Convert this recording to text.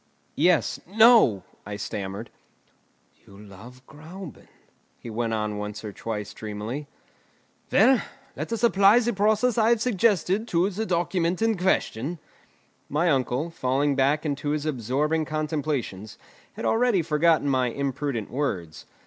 "Yes; no!" I stammered. "You love Gräuben," he went on once or twice dreamily. "Well, let us apply the process I have suggested to the document in question." My uncle, falling back into his absorbing contemplations, had already forgotten my imprudent words.